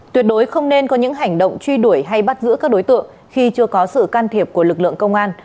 tuyệt đối không nên có những hành động truy đuổi hay bắt giữ các đối tượng khi chưa có sự can thiệp của lực lượng công an